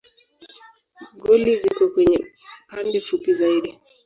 Goli ziko kwenye pande fupi zaidi.